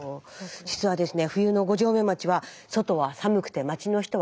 実はですね